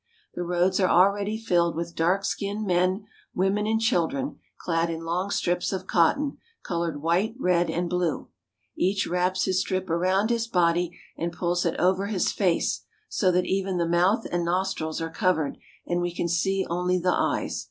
The roads are already filled with dark skinned men, women, and chil dren clad in long strips of cotton, colored white, red, and blue. Each wraps his strip around his body and pulls it over his face, so that even the mouth and nostrils are covered, and we can see only the eyes.